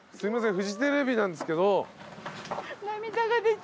フジテレビなんですけど。